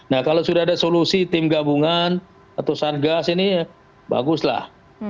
nah kalau sudah ada solusi tim gabungan atau satgas ini baguslah